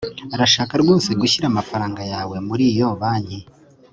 urashaka rwose gushyira amafaranga yawe muri iyo banki